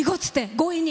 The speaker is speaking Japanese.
強引に。